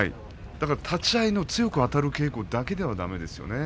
立ち合いが強くあたれる稽古だけではだめですよね。